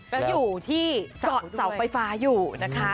แล้วอยู่ที่เสาไฟฟ้าอยู่นะคะ